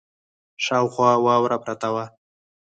شاوخوا واوره پرته وه.